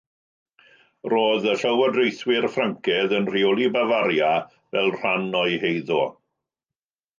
Roedd y llywodraethwyr Ffrancaidd yn rheoli Bafaria fel rhan o'u heiddo.